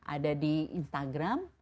ada di instagram